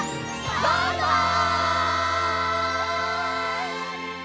バイバイ！